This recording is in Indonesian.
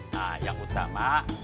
nah yang utama